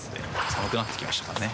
寒くなってきましたからね。